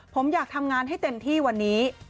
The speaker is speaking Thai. ผมอยากทำงานให้เต็มที่วันนี้